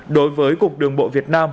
đối với cục đường bộ việt nam